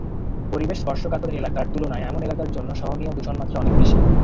পরিবেশ স্পর্শকাতর এলাকার তুলনায় এমন এলাকার জন্য সহনীয় দূষণমাত্রা অনেক বেশি।